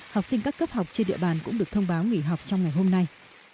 học sinh các cấp học trên địa bàn cũng được thông báo nghỉ học trong ngày hôm nay